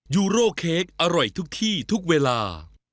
ยูโร่เค้กอร่อยทุกที่ทุกเวลา